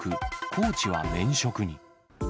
コーチは免職に。